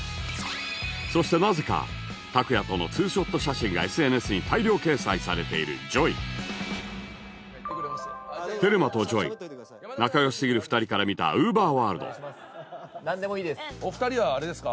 そしてなぜか ＴＡＫＵＹＡ∞ との２ショット写真が ＳＮＳ に大量掲載されている ＪＯＹテルマと ＪＯＹ 仲良しすぎる２人から見た ＵＶＥＲｗｏｒｌｄお二人はあれですか？